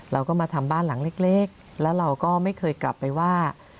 เราก็มาทำบ้านหลังเล็กแล้วเราก็ไม่เคยกลับไปว่า